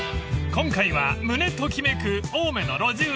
［今回は胸ときめく青梅の路地裏］